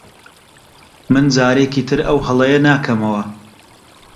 من جارێکی تر ئەو هەڵەیە ناکەمەوە.